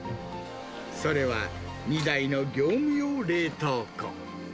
それは２台の業務用冷凍庫。